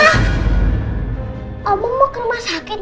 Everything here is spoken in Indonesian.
abang mau ke rumah sakit